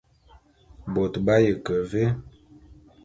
Bôt b'aye ke vé?